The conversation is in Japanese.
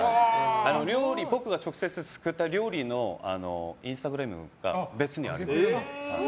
僕が直接作った料理のインスタグラムが別にあります。